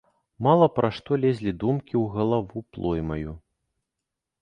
Мала пра што лезлі думкі ў галаву плоймаю.